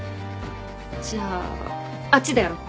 じゃああっちでやろう。